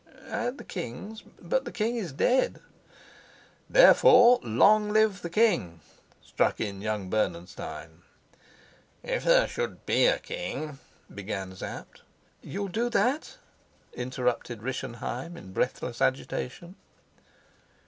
"At the king's? But the king is dead." "Therefore 'Long live the king!'" struck in young Bernenstein. "If there should be a king " began Sapt. "You'll do that?" interrupted Rischenheim in breathless agitation.